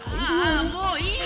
あもういい！